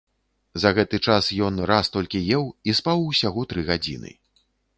За гэты час ён раз толькі еў і спаў усяго тры гадзіны.